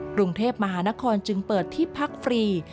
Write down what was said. กรุงเทพมหานครจึงเปิดที่พักฟรี